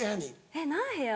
えっ何部屋？